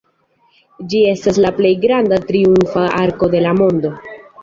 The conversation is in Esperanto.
Ĝi estas la plej granda triumfa arko de la mondo.